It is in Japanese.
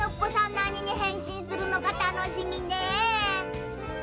なににへんしんするのかたのしみね。